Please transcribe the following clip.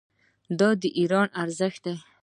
دا د ایران ارزښت دی.